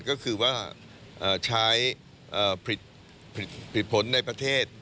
ก็คือว่าใช้ผิดผลในประเทศ